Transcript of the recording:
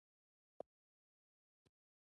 اوړه د هر کور اړتیا ده